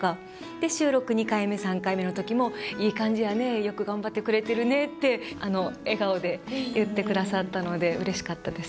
で収録２回目３回目の時も「いい感じやねよく頑張ってくれてるね」ってあの笑顔で言って下さったのでうれしかったです。